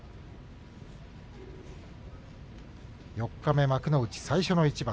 四日目、幕内最初の一番。